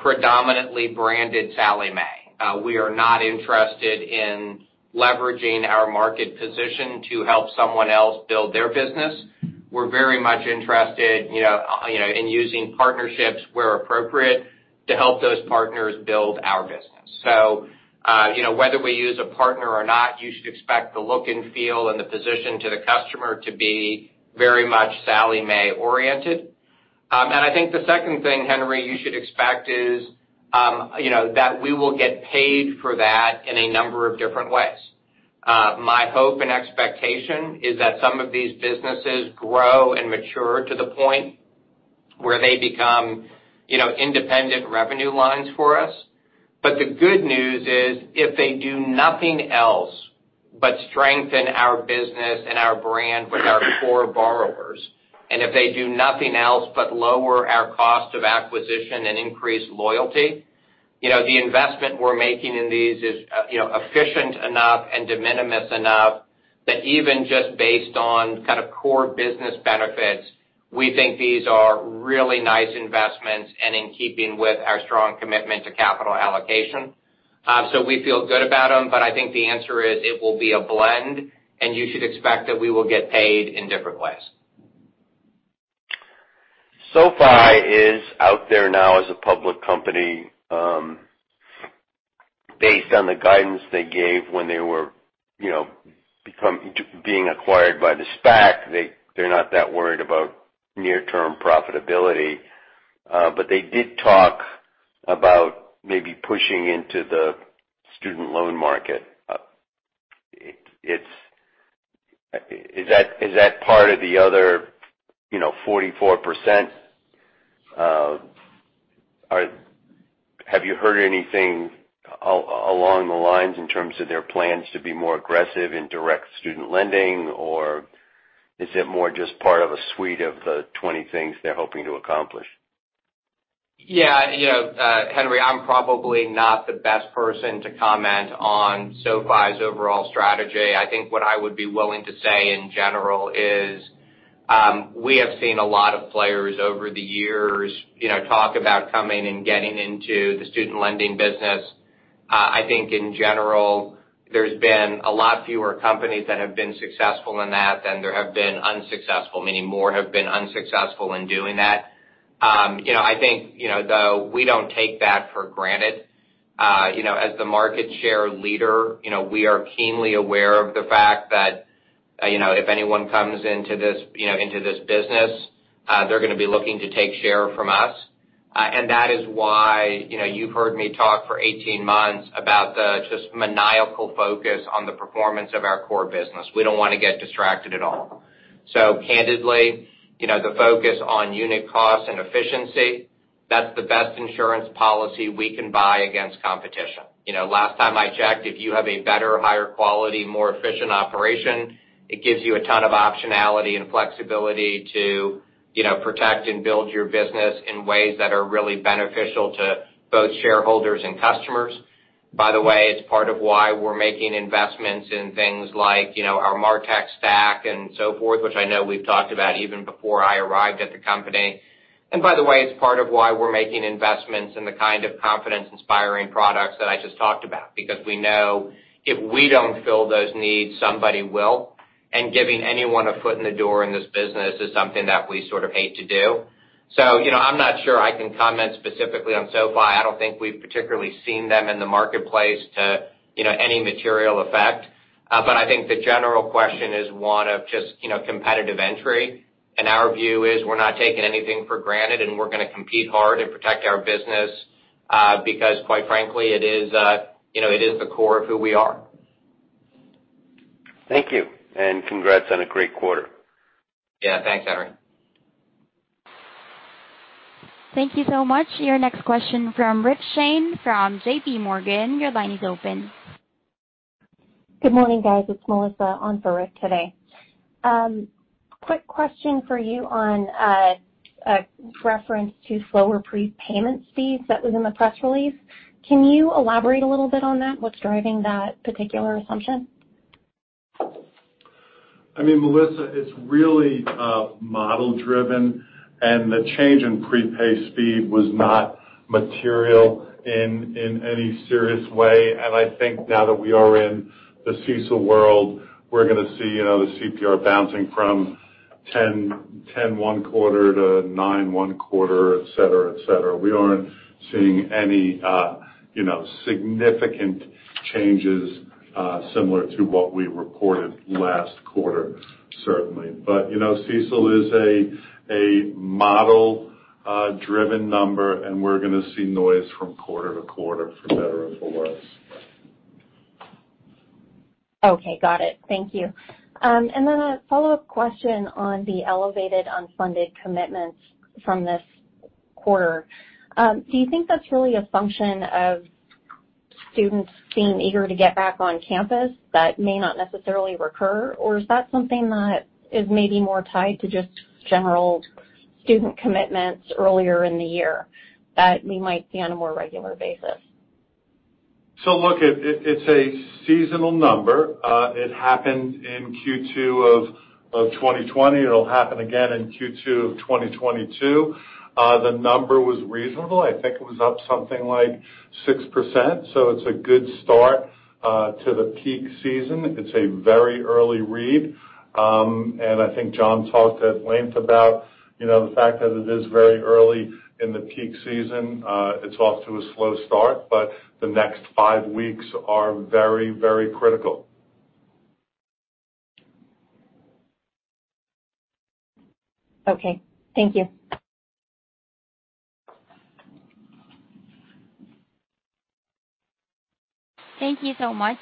predominantly branded Sallie Mae. We are not interested in leveraging our market position to help someone else build their business. We're very much interested in using partnerships where appropriate to help those partners build our business. Whether we use a partner or not, you should expect the look and feel and the position to the customer to be very much Sallie Mae oriented. I think the second thing, Henry, you should expect is that we will get paid for that in a number of different ways. My hope and expectation is that some of these businesses grow and mature to the point where they become independent revenue lines for us. The good news is, if they do nothing else but strengthen our business and our brand with our core borrowers, and if they do nothing else but lower our cost of acquisition and increase loyalty, the investment we're making in these is efficient enough and de minimis enough that even just based on kind of core business benefits, we think these are really nice investments and in keeping with our strong commitment to capital allocation. We feel good about them. I think the answer is it will be a blend, and you should expect that we will get paid in different ways. SoFi is out there now as a public company. Based on the guidance they gave when they were being acquired by the SPAC, they're not that worried about near-term profitability. They did talk about maybe pushing into the student loan market. Is that part of the other 44%? Have you heard anything along the lines in terms of their plans to be more aggressive in direct student lending? Is it more just part of a suite of the 20 things they're hoping to accomplish? Yeah. Henry, I'm probably not the best person to comment on SoFi's overall strategy. I think what I would be willing to say in general is we have seen a lot of players over the years talk about coming and getting into the student lending business. I think in general, there's been a lot fewer companies that have been successful in that than there have been unsuccessful. Many more have been unsuccessful in doing that. I think, though, we don't take that for granted. As the market share leader, we are keenly aware of the fact that if anyone comes into this business, they're going to be looking to take share from us. That is why you've heard me talk for 18 months about the just maniacal focus on the performance of our core business. We don't want to get distracted at all. Candidly, the focus on unit cost and efficiency, that's the best insurance policy we can buy against competition. Last time I checked, if you have a better, higher quality, more efficient operation, it gives you a ton of optionality and flexibility to protect and build your business in ways that are really beneficial to both shareholders and customers. By the way, it's part of why we're making investments in things like our MarTech stack and so forth, which I know we've talked about even before I arrived at the company. By the way, it's part of why we're making investments in the kind of confidence-inspiring products that I just talked about. We know if we don't fill those needs, somebody will. And giving anyone a foot in the door in this business is something that we sort of hate to do. I'm not sure I can comment specifically on SoFi. I don't think we've particularly seen them in the marketplace to any material effect. I think the general question is one of just competitive entry. Our view is we're not taking anything for granted, and we're going to compete hard and protect our business, because quite frankly, it is the core of who we are. Thank you. Congrats on a great quarter. Yeah, thanks, Henry. Thank you so much. Your next question from Rick Shane from JPMorgan. Your line is open. Good morning, guys. It's Melissa on for Rick today. Quick question for you on a reference to slower prepayment speeds that was in the press release. Can you elaborate a little bit on that? What's driving that particular assumption? I mean, Melissa, it's really model-driven, and the change in prepay speed was not material in any serious way. I think now that we are in the CECL world, we're going to see the CPR bouncing from 10% one quarter to 9% one quarter, et cetera. We aren't seeing any significant changes similar to what we reported last quarter, certainly. CECL is a model-driven number, and we're going to see noise from quarter to quarter for better or for worse. Okay, got it. Thank you. A follow-up question on the elevated unfunded commitments from this quarter. Do you think that's really a function of students being eager to get back on campus that may not necessarily recur, or is that something that is maybe more tied to just general student commitments earlier in the year that we might see on a more regular basis? Look, it's a seasonal number. It happened in Q2 of 2020. It'll happen again in Q2 of 2022. The number was reasonable. I think it was up something like 6%. It's a good start to the peak season. It's a very early read. I think Jon talked at length about the fact that it is very early in the peak season. It's off to a slow start. The next five weeks are very critical. Okay. Thank you. Thank you so much.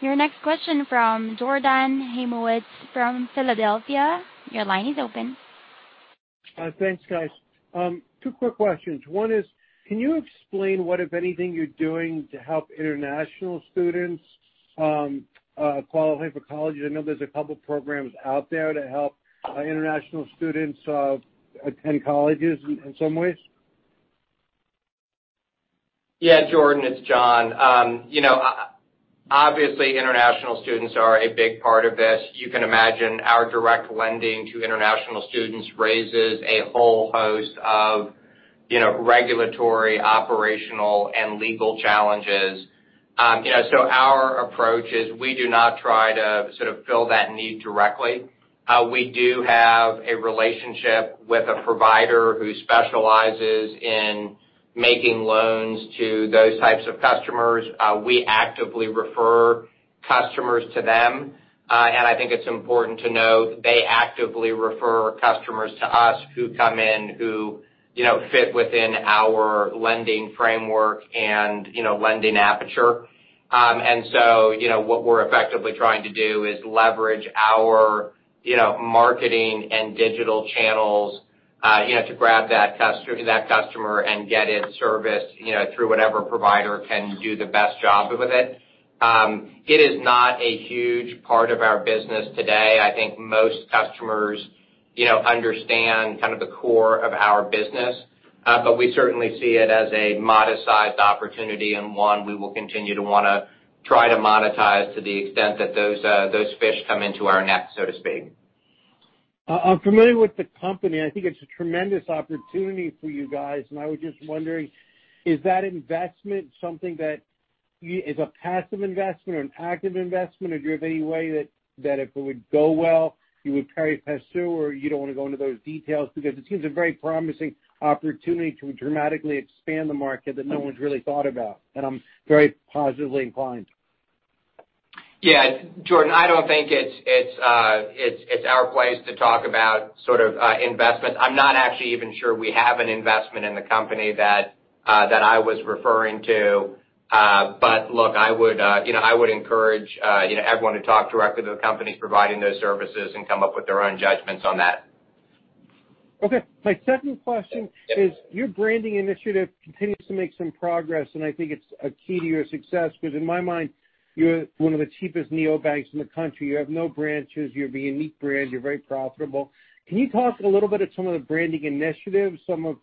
Your next question from Jordan Hymowitz from Philadelphia Financial Management. Your line is open. Thanks, guys. Two quick questions. One is, can you explain what, if anything, you're doing to help international students qualify for college? I know there's a couple programs out there to help international students attend colleges in some ways. Yeah, Jordan, it's Jon. Obviously international students are a big part of this. You can imagine our direct lending to international students raises a whole host of regulatory, operational, and legal challenges. Our approach is we do not try to sort of fill that need directly. We do have a relationship with a provider who specializes in making loans to those types of customers. We actively refer customers to them. I think it's important to know they actively refer customers to us who come in who fit within our lending framework and lending aperture. What we're effectively trying to do is leverage our marketing and digital channels to grab that customer and get it serviced through whatever provider can do the best job with it. It is not a huge part of our business today. I think most customers understand kind of the core of our business. We certainly see it as a modest-sized opportunity and one we will continue to want to try to monetize to the extent that those fish come into our net, so to speak. I'm familiar with the company. I think it's a tremendous opportunity for you guys. I was just wondering, is that investment something that is a passive investment or an active investment, or do you have any way that if it would go well, you would care to pursue, or you don't want to go into those details? It seems a very promising opportunity to dramatically expand the market that no one's really thought about, and I'm very positively inclined. Yeah. Jordan, I don't think it's our place to talk about sort of investment. I'm not actually even sure we have an investment in the company that I was referring to. Look, I would encourage everyone to talk directly to the companies providing those services and come up with their own judgments on that. Okay. My second question is, your branding initiative continues to make some progress, and I think it's a key to your success because in my mind, you're one of the cheapest neobanks in the country. You have no branches, you have a unique brand, you're very profitable. Can you talk a little bit of some of the branding initiatives, some of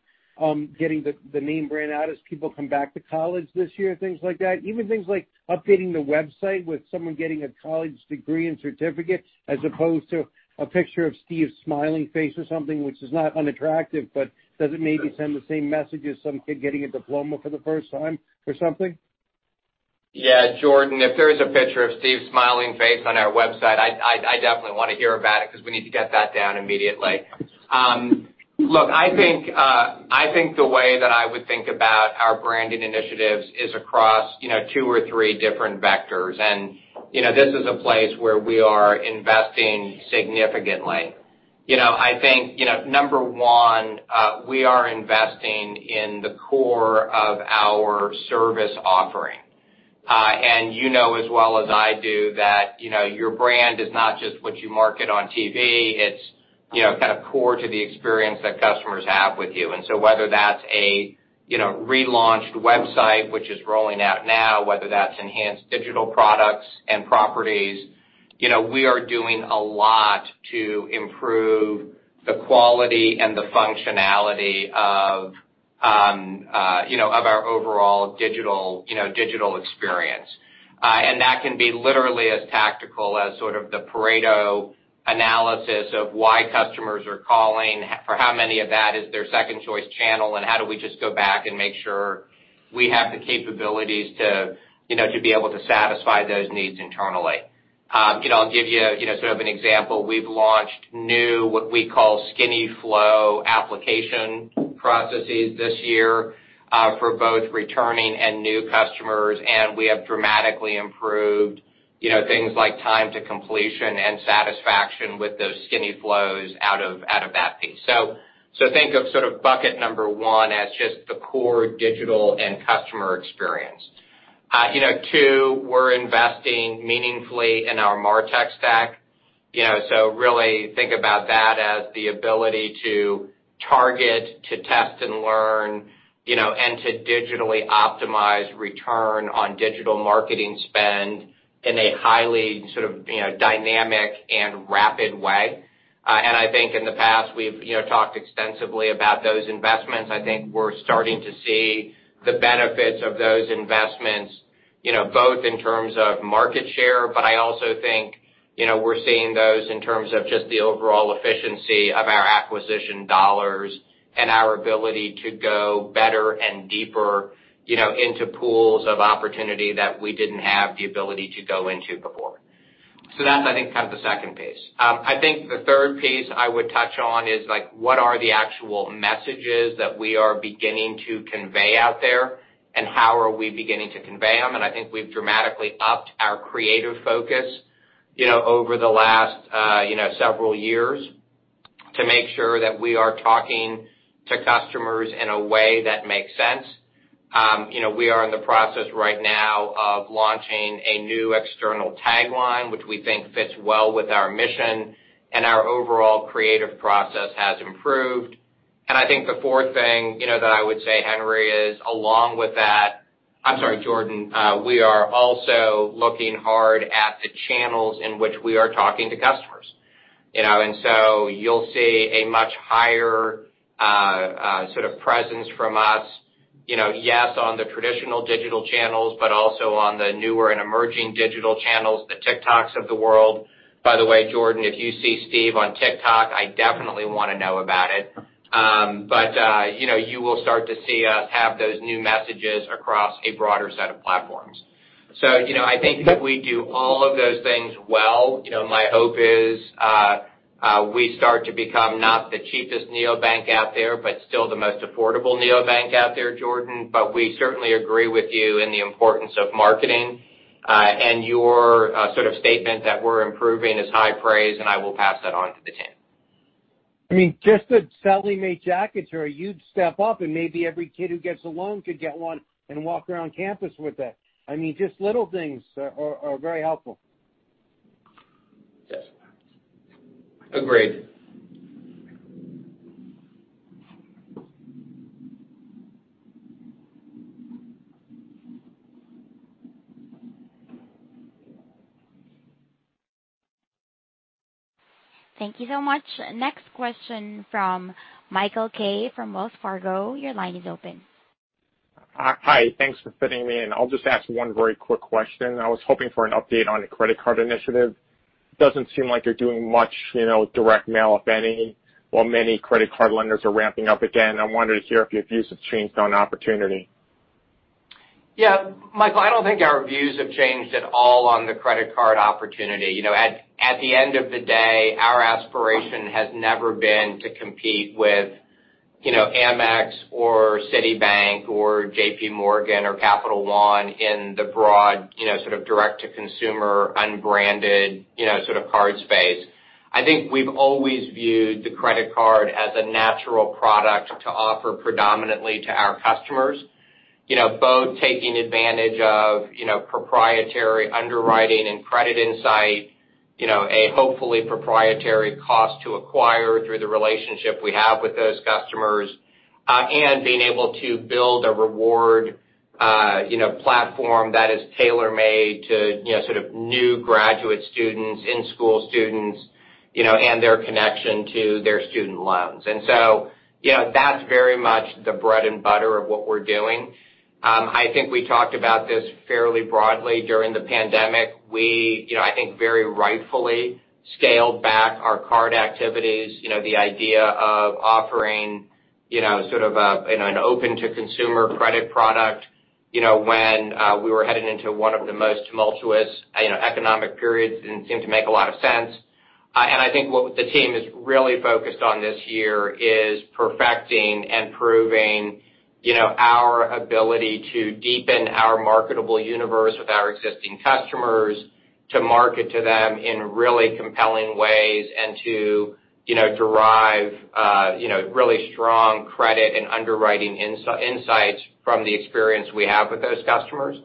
getting the name brand out as people come back to college this year, things like that? Even things like updating the website with someone getting a college degree and certificate as opposed to a picture of Steve's smiling face or something, which is not unattractive, but doesn't maybe send the same message as some kid getting a diploma for the first time or something? Yeah, Jordan, if there is a picture of Steve's smiling face on our website, I definitely want to hear about it because we need to get that down immediately. Look, I think the way that I would think about our branding initiatives is across two or three different vectors. This is a place where we are investing significantly. I think number 1, we are investing in the core of our service offering. You know as well as I do that your brand is not just what you market on TV, it's kind of core to the experience that customers have with you. Whether that's a relaunched website, which is rolling out now, whether that's enhanced digital products and properties, we are doing a lot to improve the quality and the functionality of our overall digital experience. That can be literally as tactical as sort of the Pareto analysis of why customers are calling, for how many of that is their second choice channel, and how do we just go back and make sure we have the capabilities to be able to satisfy those needs internally. I'll give you sort of an example. We've launched new, what we call skinny flow application processes this year for both returning and new customers, and we have dramatically improved things like time to completion and satisfaction with those skinny flows out of that piece. Think of sort of bucket number 1 as just the core digital and customer experience. 2, we're investing meaningfully in our MarTech stack. Really think about that as the ability to target, to test and learn, and to digitally optimize return on digital marketing spend in a highly sort of dynamic and rapid way. I think in the past, we've talked extensively about those investments. I think we're starting to see the benefits of those investments both in terms of market share, but I also think we're seeing those in terms of just the overall efficiency of our acquisition dollars and our ability to go better and deeper into pools of opportunity that we didn't have the ability to go into before. That's, I think, kind of the second piece. I think the third piece I would touch on is like, what are the actual messages that we are beginning to convey out there, and how are we beginning to convey them? I think we've dramatically upped our creative focus over the last several years to make sure that we are talking to customers in a way that makes sense. We are in the process right now of launching a new external tagline, which we think fits well with our mission, and our overall creative process has improved. I think the fourth thing that I would say, Henry, is along with that, I'm sorry, Jordan, we are also looking hard at the channels in which we are talking to customers. You'll see a much higher sort of presence from us, yes, on the traditional digital channels, but also on the newer and emerging digital channels, the TikToks of the world. By the way, Jordan, if you see Steve on TikTok, I definitely want to know about it. You will start to see us have those new messages across a broader set of platforms. I think if we do all of those things well, my hope is we start to become not the cheapest neobank out there, but still the most affordable neobank out there, Jordan. We certainly agree with you in the importance of marketing, and your sort of statement that we're improving is high praise, and I will pass that on to the team. I mean, just the Sallie Mae jacket, or you'd step up and maybe every kid who gets a loan could get one and walk around campus with it. I mean, just little things are very helpful. Yes. Agreed. Thank you so much. Next question from Michael Kaye from Wells Fargo. Your line is open. Hi. Thanks for fitting me in. I'll just ask one very quick question. I was hoping for an update on the credit card initiative. It doesn't seem like you're doing much direct mail, if any, while many credit card lenders are ramping up again. I wanted to hear if your views have changed on opportunity. Yeah. Michael, I don't think our views have changed at all on the credit card opportunity. At the end of the day, our aspiration has never been to compete with Amex or Citibank or JPMorgan or Capital One in the broad sort of direct-to-consumer, unbranded sort of card space. I think we've always viewed the credit card as a natural product to offer predominantly to our customers, both taking advantage of proprietary underwriting and credit insight, a hopefully proprietary cost to acquire through the relationship we have with those customers, and being able to build a reward platform that is tailor-made to sort of new graduate students, in-school students, and their connection to their student loans. That's very much the bread and butter of what we're doing. I think we talked about this fairly broadly during the pandemic. We, I think, very rightfully scaled back our card activities. The idea of offering sort of an open to consumer credit product when we were headed into one of the most tumultuous economic periods didn't seem to make a lot of sense. I think what the team is really focused on this year is perfecting and proving our ability to deepen our marketable universe with our existing customers, to market to them in really compelling ways, and to derive really strong credit and underwriting insights from the experience we have with those customers.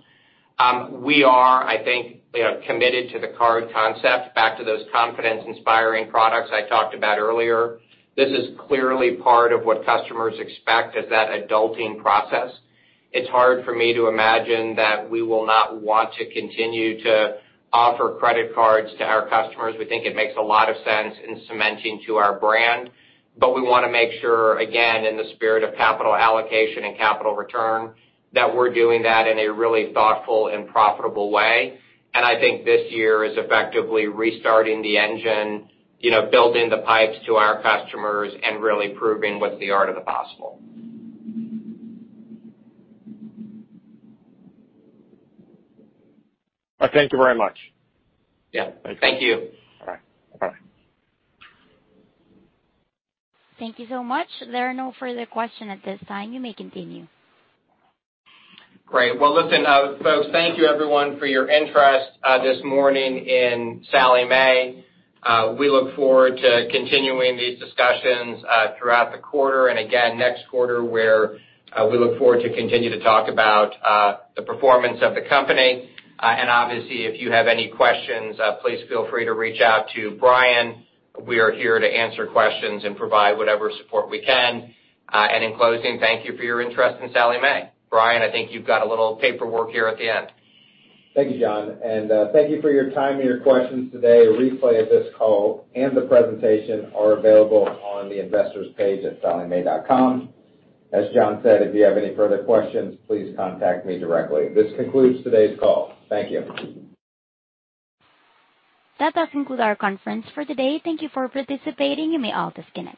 We are, I think, committed to the card concept. Back to those confidence-inspiring products I talked about earlier. This is clearly part of what customers expect as that adulting process. It's hard for me to imagine that we will not want to continue to offer credit cards to our customers. We think it makes a lot of sense in cementing to our brand. We want to make sure, again, in the spirit of capital allocation and capital return, that we're doing that in a really thoughtful and profitable way. I think this year is effectively restarting the engine, building the pipes to our customers, and really proving what's the art of the possible. Thank you very much. Yeah. Thank you. Thank you so much. There are no further questions at this time. You may continue. Great. Well, listen, folks, thank you everyone for your interest this morning in Sallie Mae. We look forward to continuing these discussions throughout the quarter and again next quarter, where we look forward to continue to talk about the performance of the company. Obviously, if you have any questions, please feel free to reach out to Brian. We are here to answer questions and provide whatever support we can. In closing, thank you for your interest in Sallie Mae. Brian, I think you've got a little paperwork here at the end. Thank you, Jon, and thank you for your time and your questions today. A replay of this call and the presentation are available on the Investors page at salliemae.com. As Jon said, if you have any further questions, please contact me directly. This concludes today's call. Thank you. That does conclude our conference for today. Thank you for participating. You may all disconnect.